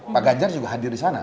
pak ganjar juga hadir di sana